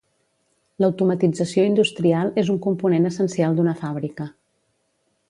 L'automatització industrial és un component essencial d'una fàbrica.